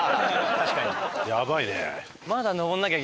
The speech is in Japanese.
確かに。